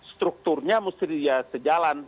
strukturnya mesti dia sejalan